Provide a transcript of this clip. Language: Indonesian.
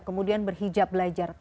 kemudian berhijab belajar